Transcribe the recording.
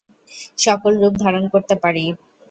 সকল রূপ ধারণ করতে পারি।